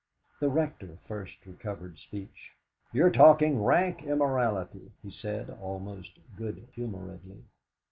The Rector first recovered speech. "You're talking rank immorality," he said almost good humouredly.